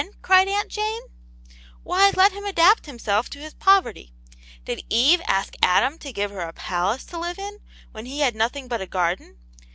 cried Aunt Jane, "why let him adapt himself to his poverty. Did Eve ask Adam to give her a palace to live in when he had nothing but a garden.?